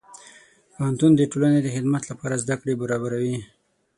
پوهنتون د ټولنې خدمت لپاره زدهکړې برابروي.